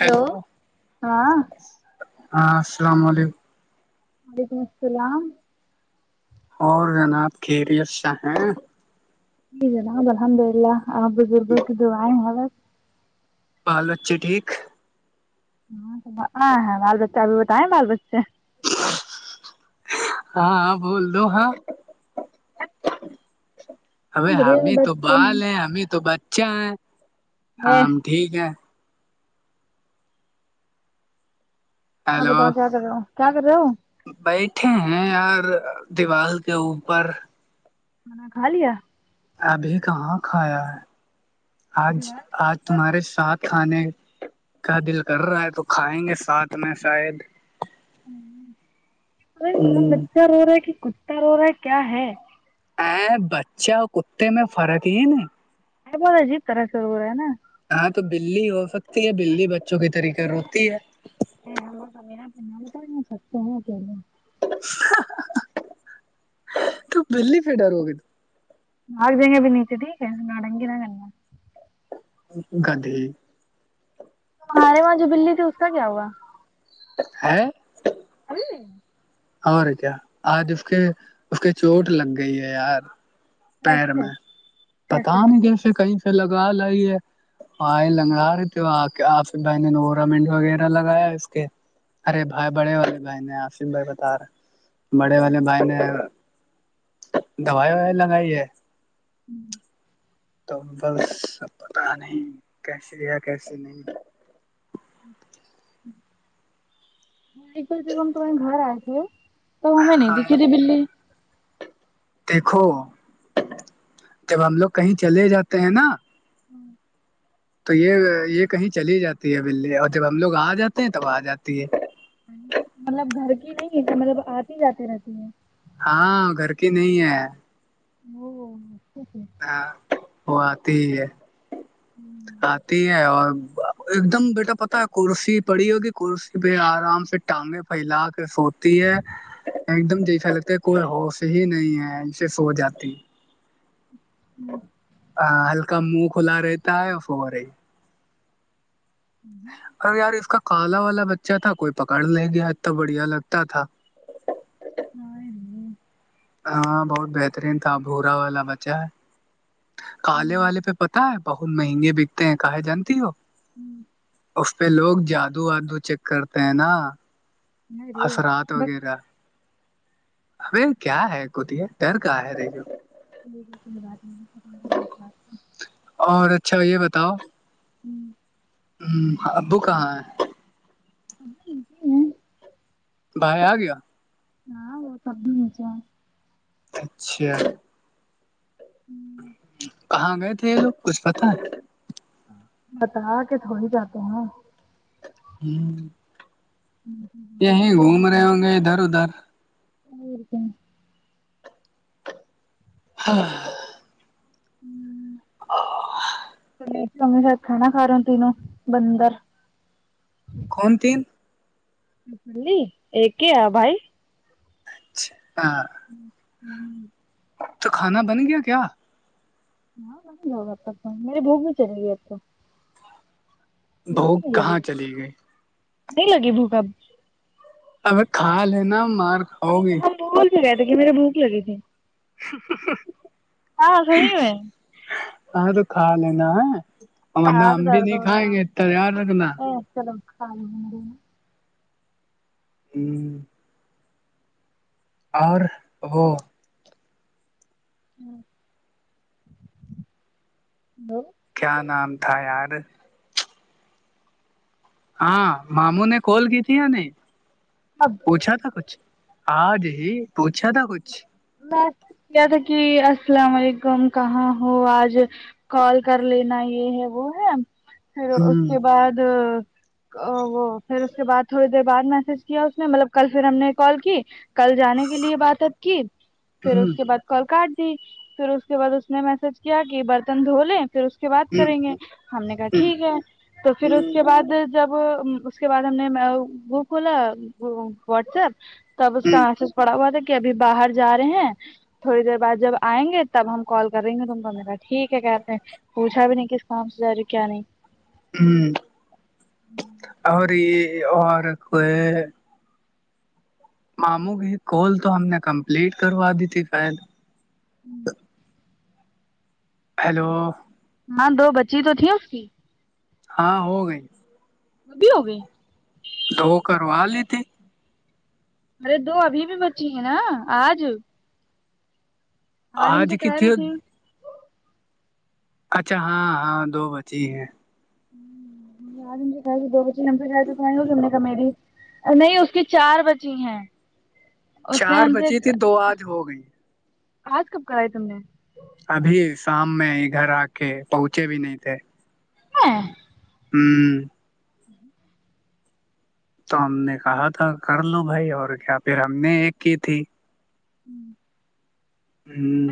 hello ہاں ہاں السلام علیکم وعلیکم السلام اور جناب کیریئر چاہیں ج ج نابب الحمد اللہ آ بزربک دو آائ ہو بہال اچھی ٹھیک ہاں ہ ہاں بال بچا ابھی وہتائ بال بچے ہاں بول دو ہاں اب ہاں بڑھیا بھی ہمیں تو بچے بال ہیں ہمیں تو بچہ ہے ہیں ہاں ٹھیک ہے ہاں ہیلو بتاؤ کیا کر رہے ہو کیا کر رہے ہو بیٹھے ہیں یار دیوال کے اوپر کھا لیا ابھی کہاں کھایا ہے آج دیوار کا آج تمہارے ساتھ کھانے کا دل کر رہا ہے تو کھائیں گے ساتھ میں شاید کون ہ بچہ رو رہا ہے کہ کتا رو رہا ہے کیا ہے ا بچہ کتے میں فرق ہی نا آ ب ا جیب طرح سے ہو رہا ہے نا ہاں تو بلی ہو سکتی ہے بلی بچوں کی طریقے روتی ہے تا نہیں سکتے ہیں کیاہل تو بلی پٹ ر ہوگ ت آگ جیںے بھی نیتی ٹھیک ہے نا گ نا گا گدی جی ہمارے وہاں جو بلی تھی اس کا کیا ہوا ہاں ا نہیں اور کیا آج اس کے اس کے چوٹ لگ گئی ہے یار پیر کیسے میں پتا نہیں کیسے کہیں سے لگا لی ہے ہاں لنگڑا رہے تھے وہ آ کے آصف بھائی نےورامنٹ وغیرہ لگایا اس کے ارے بائی بڑے والے بائی ن آم بائی ار بڑے والے بھائی نے دوائی وائی لنگائی ہے ہوں تو بس سب پتا نہیں کیسیے یا کیسے نہیں مکل ج م ہم توے گھر آئے تھ تو ہمیں نہیں ہاں دیکھی تی بلی دیکھو ہوں جب ہم لوگ کہیں چلے جاتے ہیں نا ہوں تو یہ یہ کہیں چلی جاتی ہے بلی اور جب ہم لوگ آ جاتے ہیں تب آ جاتی ہے مطلب گھر کی نہیں ہے کہ مطلب آتی جاتی رہتی ہے ہاں گھر کی نہیں ہے [unintelligible] ہ وہ آتی ہے ہوں آتی ہے اور ایک دم بیٹا پتا ہے کرسی پڑی ہوگی کرسی پہ آرام سے ٹانگیں پھیلا کے سوتی ہے ایک دم جیسا لگتے کوئی حوف ہی نہیں ہے ج سے سو جاتی ہوں ہلکا منہ کھلا رہتا ہے ف رہی ار یار اس کا کالا والا بچہ تھا کوئی پکڑ لے گیا اتنا بڑھیا لگتا تھا [unintelligible] ہاں بہت بہترین تھا بھورا والا بچہ ہے کالے والے پہ پتا ہے بہت مہنگے بکتے ہیں کہاں جانتی ہو ہوں پھر لوگ جادو وادو چیک کرتے ہیں نا ارے اثرات بس وغیرہ ا کیا ہے کتے ڈر کا ہے ر جو م کے ملادمی میں اور اچھا یہ بتاؤ ہوں ہ ابو کہاں ہے [unintelligible] باہائی آ گیا ہاں وہ تب بھی نچا اچھا کہاں گئے تھے یہ لوگ کچھ پتا ہے بتا کے تھوڑی جاتے ہیں ہوں ہوں یہیں گھوم رہے ہوں گے ادھر ادھر اورک ہاں ہوں ا ممی شاب کا کا رہی ہوں تنوں بندر کون تین لی ایک ہے بھائی اچھا ہ ہ ہوں تو کھانا بن گیا کیا ہاں ب جاؤا میرے بھک میں چلے گئی آ تو بھوک نہیں لگی کہاں چلی گئی نہیں لگے بھوکمپ اب کھا لینا مار ہم کھاؤ گی ہم بھول سے گئے تھے کہ میرے بھوک لگی تھی ہاں صحیح میں آ تو کھا لے نا ہ اور ن ہم سر بھی درد نہیں ہو کائیں رہا گے ہے تیار رکھنا چلو کھا ہوں گ ہوں اور وہ ہاں ہلو کیا نام تھا یار ہاں ماموں نے کال کی تھی نہیں اب پوچھا تھا کچھ ہ جی پوچھا تھا کچھ ایسا کیا تھا کہ السلام علیکم کہاں ہو آج کال کر لینا یہ ہے وہ ہے پھر ہ اس کے بعد ا وہ پھر اس کے بعد تھوڑی دیر بعد میسج کیا اس نے مطلب کل پھر ہم نے کال کی کل جانے کے لیے بات ا کی پھر ہ اس کے بعد کال کاٹ دی پھر اس کے بعد اس نے میسج کیا کہ برتن دھو لے پھر اس کے بعد ہ کریں گے ہم نے کہا ٹھیک ہے تو پھر اس کے بعد جب اس کے بعد ہم نے وہ کھولا واٹس ایپ تب اس کا ہ آسس پڑا ہوا تھا کہ ابھی باہر جا رہے ہیں تھوڑی دیر بعد جب آئیں گے تب ہم کال کر رہیں گے تم کو میرا ٹھیک ہے کہتے ہیں پوچھا بھی نہیں کس کام سے جا رہی کیا نہیں ہوں اور یہ اور کوئی معاموں گی کال تو ہم نے کمپلیٹ کروا دی تھی فائل ہوں ہیلو ہاں دو بچی تو تھی اس کی ہاں ہو گئی وی ہو گئی تو کروا لیتے ارے دو ابھی بھی بچی ہیں نا آج ہم آج سے کہہ کت رہی تھی اچھا ہاں ہاں دو بچی ہیں آج دوچ ہم سے جائے توم نہیں ہوگی ہم نے کمیلی نہیں اس کی چار بچی ہیں اس نے چار ہم سے بچی تھی دو آج ہو گئی آج کب کرا ہے تم نے ابھی شام میں ا گھر آ کے پہنچے بھی نہیں تھے ہاں ہوں ہاں تو ہم نے کہا تھا کر لو بھائی اور کیا پھر ہم نے ایک کی تھی ہوں ہوں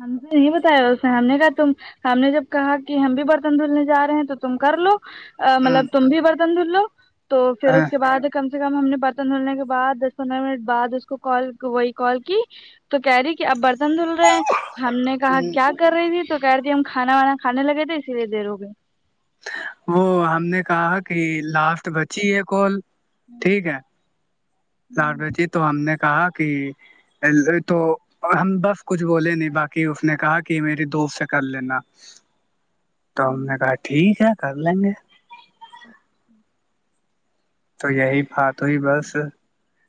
مھ نہیں بتایا اس نے ہم نے کہا تم ہم نے جب کہا کہ ہم بھی برتن دھلنے جا رہے ہیں تو تم کر لو مطلب تم بھی برتن دھل لو تو پھر ہ اس کے بعد کم سے کم ہم نے برتن دھولنے کے بعد دس پندرہ منٹ بعد اس کو کال وہی کال کی تو کہہ رہی کہ اب برتن دھل رہے ہیں ہم نے کہا کیا کر رہی تھی تو کہہ رہیھی ہم کھانا وانا کھے لگے تھے اسی لیے دیر ہو گئے وہ ہم نے کہا کہ لاسٹ بچی ہے کال ٹھیک ہے لار ب جی تو ہم نے کہا کہ الل تو ہم بس کچھ بولے نہیں باقی اس نے کہا کہ میری دوست سے کر لینا تو ہم نے کہا ٹھیک ہے کر لیں گے تو یہی بات ہوئی بس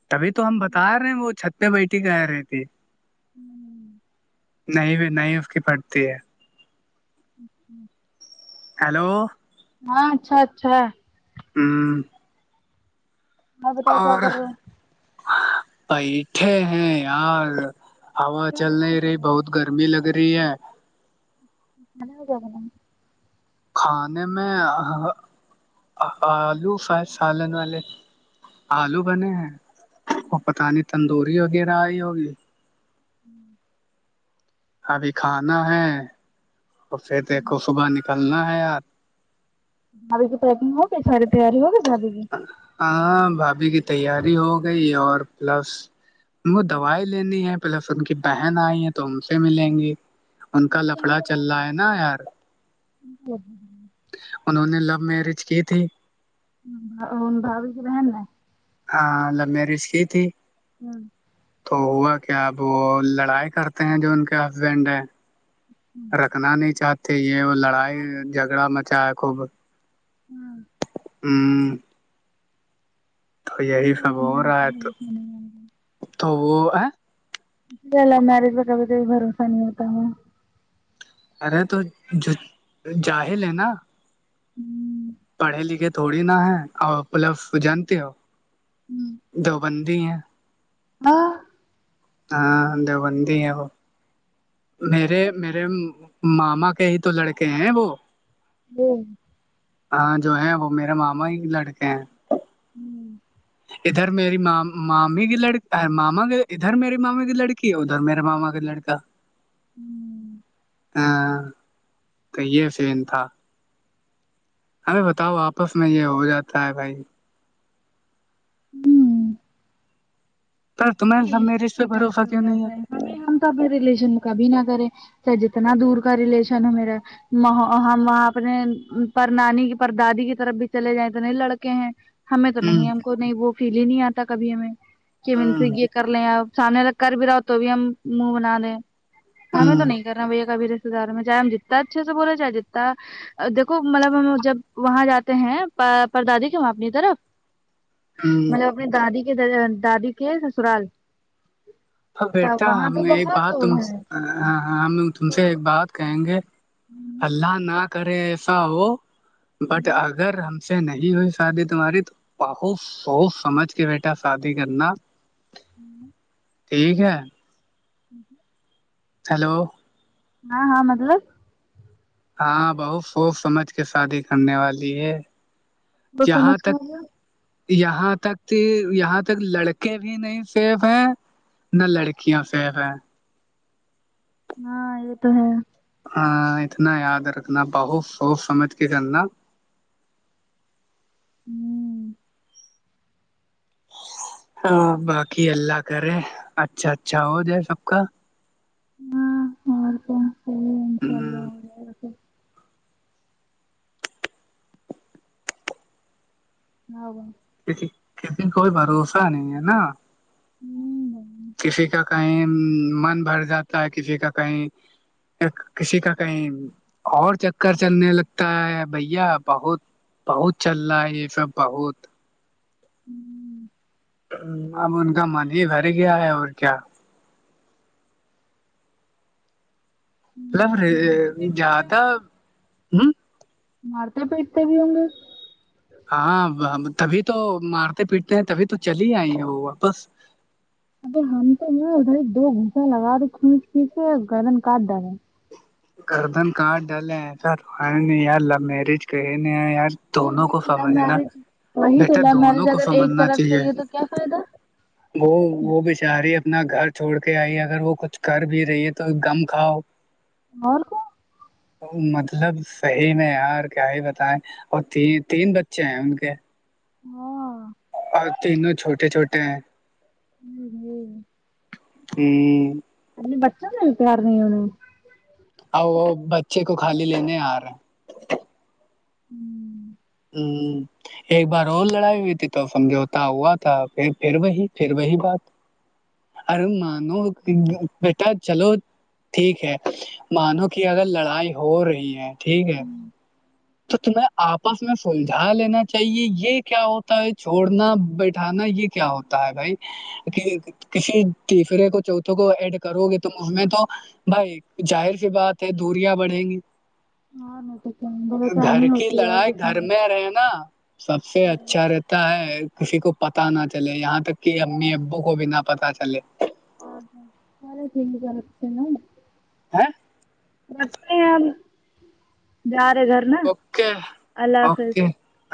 تبھی تو ہم بتا رہے ہیں وہ چھت پہ بیٹھی کہ رہی تھی ہوں نہیں بھی نہیں اس کی پڑتی ہے اچ ہیلو ہاں اچھا اچھا ہوں اور پیھے ہیں یار ہا چل نہیں رہی بہت گرمی لگ رہی ہے کانا ہو گ کھانے میں آلو فائید سالن والے آلو بنے ہیں وہ پتہ نہیں تندوری وغیرہ آئی ہوگی ہوں ابھی کھانا ہے اور پھر دیکھو صبح نکلنا ہے یار دھابی کی پیکنگ ہوگی ساری تیاری ہوگی دھابی کی ہاں بھاابھی کی تیاری ہو گئی اور پلس ان کو دوائی لینی ہے پلس ان کی بہن آئی ہے تو ان سے ملیں گی ان کا لفڑا چل رہا ہے نا یار جی انہوں نے لو میرج کی تھی باوی کے رہن ہاں ل میر اس کی تھی ہوں تو ہوا کیا اب وہ لڑائی کرتے ہیں جو ان کے ہسبینڈ ہے رکھنا نہیں چاہتے یہ وہ لڑائی جھگڑا مچا ہے خب ہاں ہوں تو اسی یہی سب ہو رہا ہے تو تو وہ ہے اسے ال میرج میں کھی کوئی بھروسہ نہیں ہوتا ہے ارے تو جاہل ہے نا ہوں پڑھے لکھے تھوڑی نہا ہے اور مطلب جانتے ہو ہوں دو بندی ہیں ہاں ہاں بند میرے میرے ماما کے ہی تو لڑکے ہیں وہ جی ہاں جو ہے وہ میرا ماما ہی لڑکے ہیں ہوں ادھر میری م مامی کی لک ماما کے ادھر میری ماما کی لڑکی ہے ادھر میرے ماما کا لڑکا ہوں ہاں تو یہ فین تھا ایں بتاؤ آپس میں یہ ہو جاتا ہے بھائی ہوں پر تمہ سب م میں ریلیشن رش پہ بھروسہ کیسے ہو کیوں نہیں ہے جاتا ہم تو اپنے ریلیشن میں کبھی نہ کریں س جتنا دور کا ریلیشن ہے میرا ہم وہاں اپنے پر نانیانی کی پر دادی کی طرف بھی چلے جائیں تو نہیں لڑکے ہیں ہمیں تو ہوں نہیں ہم کو نہیں وہ فیل ہی نہیں آتا کبھی ہمیں کہ ان سے ہوں یہ کر لیں آپ سامنے تک کر بھی رہا ہو تو بھی ہم منہ بنا دیں ہمیں ہوں تو نہیں کہنا بھیا کا بھی رشتے دار چاہے ہم جتتا اچھے سے بولےاہے جتتا دیکھو مطلب ہم جب وہاں جاتے ہیں پر دادی کے وہاں اپنی طرف مطلب ہوں اپنی دادی کے دادی کے سسرال تب بیٹا وہاں پہ میں یہ بہت بات لوگ تم سے ہیں ہاں ہاں ہم تم تو سے ایک بات کہیں گے ہوں اللہ ناک کرے ایسا ہو بٹ ہوں اگر ہم سے نہیں ہوئی شادی تمہاری تو بہت سوچ سمجھ کے بیٹا شادی کرنا ہوں ٹھیک ہے جی ہیلو ہاں ہاں مطلب ہاں بہت سوچ سمجھ کے شادی کرنے والی ہے تو جہاں سمجھ کے تک مطلب یہاں تک یہاں تک لڑکے بھی نہیں سیف ہیں نہ لڑکیاں سیف ہیں ہاں یہ تو ہے ہ اتنا یاد رکھنا بہت سوچ سمجھ کے کرنا ہوں ہاں باقی اللہ کرے اچھا اچھا ہو جائے سب کا ہاں اور تومحی ہے ان شاء اللہ ہ ہو [unintelligible] ک کتی کوئی باروشا نہیں نا ہوں ب کسی کا کہیں من بھر جاتا ہے کسی کا کہیں کسی کا کہیں اور چکر چلنے لگتا ہے بھیا بہت بہت چل رہا ہے یہ سب بہت ہوں اب ان کا من ہی بھر گیا ہے اور کیا مطلب مارتے پیٹتے بھی ہوں زیادہ گے ہوں مارتے پیٹتے بھی ہوں گ ہاں تبھی تو مارتے پیٹتے ہیں تبھی تو چلی آئی ہیں وہ واپس ابے ہم تو ن ادھر دو گھوسا لگا تو کھینچ کھینچ سے گردن کاٹ ڈال دے گردن کاڈ ڈالے ایسا رو نے یار لو میرج کہے یار پھر دونوں بھی کو لو سمجھنا میرج وہی تو بیٹا لو دونوں میرج کو اگر ایک سمجھنا طرف سے چاہیے یہ تو کیا فائدہ وہ وہ بچاری اپنا گھر چھوڑ کے آئی اگر وہ کچھ کر بھی رہی ہے تو گم کھاؤ اور کو مطلب صحیح میں یار کیا ہی بتائیں اور ت تین بچے ہیں ان کے ہاں تینوں چھوٹے چھوٹے ہیں ہوں ہوں ہ اے بچنا کیا رہنےون اور وہ بچے کو خالی لینے آ رہا ہوں ہ ایک بار اور لڑائی ہوئی تھی تو سمجھوتا ہوا تھا پھر پھر وہی پھر وہی بات ار نو بیٹا چلو ٹھیک ہے مانو کہ اگر لڑائی ہو رہی ہے ٹھیک ہے تو تمہیں آپس میں سلجھا لینا چاہیے یہ کیا ہوتا ہے چھوڑنا بیٹھانا یہ کیا ہوتا ہے بھائی کہ کسی تیسرے کو چوتھوں کو ایڈ کرو گے تو اس میں تو بھائی ظاہر کی بات ہے دوریاں بڑھیں گی ہاں مٹ گھر کی لڑائی گھر میں رہے نا سب سے اچھا رہتا ہے کسی کو پتا نہ چلے یہاں تک کہ امی ابو کو بھی نہ پتا چلے سرے ٹھیک کرتے نا ہیں مت جا رہے گھر نا اوکے اللہ حافظ اوکے